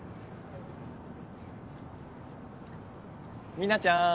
ミナちゃん。